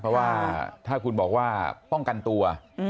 เพราะว่าถ้าคุณบอกว่าป้องกันตัว